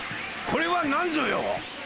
これはなんぞよ！